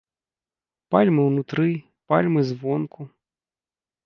Пальмы ўнутры, пальмы звонку.